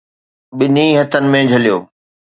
ٻنهي هٿن ۾ جهليو.